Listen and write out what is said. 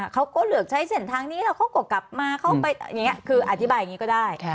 เขาก็เลือกใช้เส้นทางนี้แล้วเขาก็กลับมาเขาไปอย่างนี้คืออธิบายอย่างนี้ก็ได้